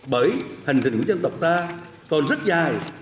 bởi hành trình của dân tộc ta còn rất dài